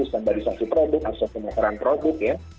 stabilisasi produk atau pengeluaran produk ya